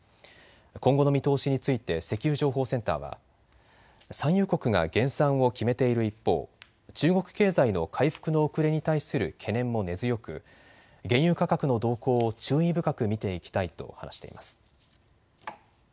今後の見通しについて石油情報センターは産油国が減産を決めている一方、中国経済の回復の遅れに対する懸念も根強く原油価格の動向を注意深く見ていきたいと話しています。